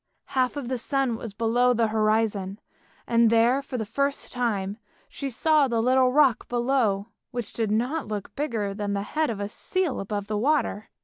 Half of the sun was below the horizon, and there for the first time she saw the little rock below, which did not look bigger than the head of a seal above the water.